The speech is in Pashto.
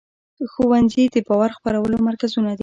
ښوونځي د باور خپرولو مرکزونه دي.